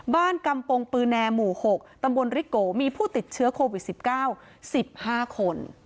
กำปงปือแนหมู่๖ตำบลริโกมีผู้ติดเชื้อโควิด๑๙๑๕คน